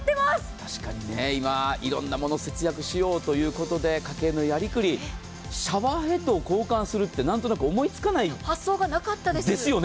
確かに今、いろんなものを節約しようということで家計のやりくり、シャワーヘッドを交換するって何となく思いつかないですよね？